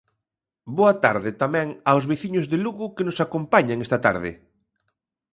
Boa tarde tamén aos veciños de Lugo que nos acompañan esta tarde.